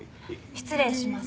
失礼します。